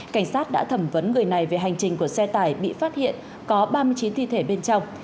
cảnh sát đã thẩm vấn người này về hành trình của xe tải bị phát hiện có ba mươi chín thi thể bên trong